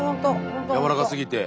やわらかすぎて。